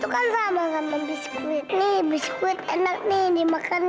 kan kayak biskuit bener kan